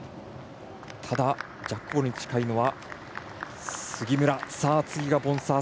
ただ、ジャックボールに近いのは杉村。